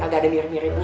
agak ada mirip miripnya